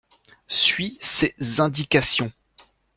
Suis ses indications.